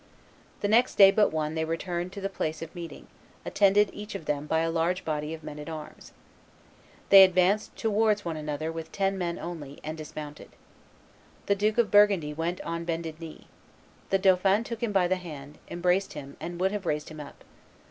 The next day but one they returned to the place of meeting, attended, each of them, by a large body of men at arms. They advanced towards one another with ten men only, and dismounted. The Duke of Burgundy went on bended knee. The dauphin took him by the hand, embraced him, and would have raised him up.